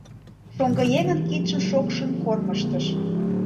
шоҥгыеҥын кидшым шокшын кормыжтыш.